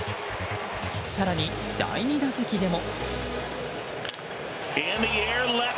更に、第２打席でも。